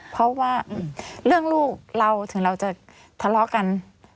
เพราะว่าเรื่องลูกเราถึงเราจะทะเลาะกัน